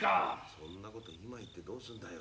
そんなこと今言ってどうするんだよ。